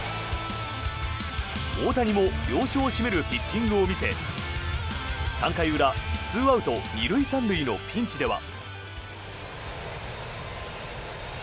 大谷も要所を締めるピッチングを見せ３回裏、２アウト２塁３塁のピンチでは。